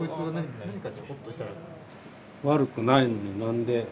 悪くないのに何で？何で。